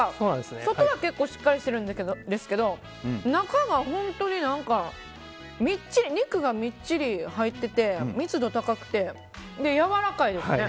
外は結構しっかりしているんですけど中が本当に肉がみっちり入ってて密度高くて、やわらかいですね。